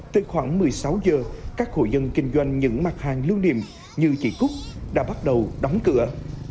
từ khoảng một mươi sáu giờ các hội dân kinh doanh những mặt hàng lưu niệm như chị cúc đã bắt đầu đóng cửa